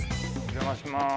お邪魔します。